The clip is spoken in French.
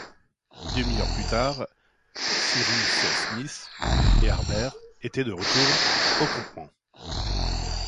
Une demi-heure plus tard, Cyrus Smith et Harbert étaient de retour au campement.